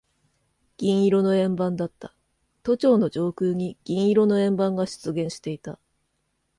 銀色の円盤だった。都庁の上空に銀色の円盤が出現していた。